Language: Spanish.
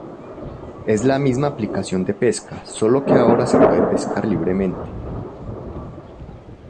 Es la misma aplicación de Pesca solo que ahora se puede pescar libremente.